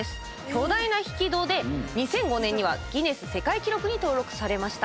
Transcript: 巨大な引き戸で、２００５年にはギネス世界記録に登録されました。